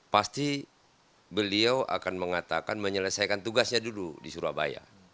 pasti beliau akan mengatakan menyelesaikan tugasnya dulu di surabaya